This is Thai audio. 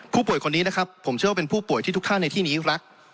ผู้ป่วยคนนี้นะครับผมเชื่อว่าเป็นผู้ป่วยที่ทุกท่านในที่นี้รัก